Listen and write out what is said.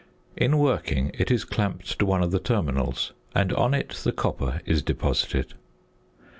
In working it is clamped to one of the terminals, and on it the copper is deposited.